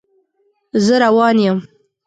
زه روان یم